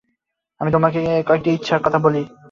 আমি তোমাদিগকে কয়েকটি বিষয় বলিতে ইচ্ছা করি।